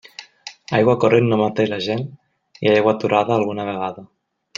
Aigua corrent no mata la gent i aigua aturada alguna vegada.